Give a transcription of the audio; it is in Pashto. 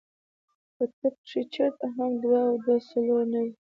پۀ طب کښې چرته هم دوه او دوه څلور نۀ وي -